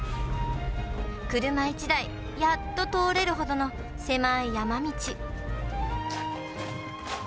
車１台、やっと通れるほどの狭い山道。